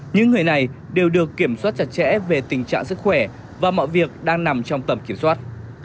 những người này đều được kiểm soát chặt chẽ về tình trạng sức khỏe và mọi việc đang nằm trong tầm kiểm soát